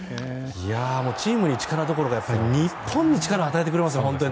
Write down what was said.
チームに力どころか日本に力を与えてくれますね。